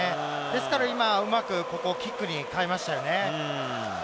ですから今キックに変えましたよね。